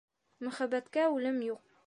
Мөхәббәткә үлем юҡ.